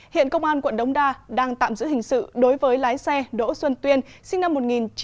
hiện công an quận đống đa đang tạm giữ hình sự đối với lái xe đỗ xuân tuyên sinh năm một nghìn chín trăm tám mươi